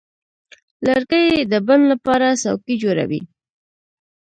لرګی د بڼ لپاره څوکۍ جوړوي.